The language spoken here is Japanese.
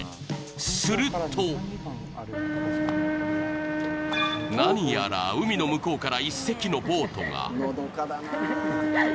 すると、何やら海の向こうから１隻のボートが。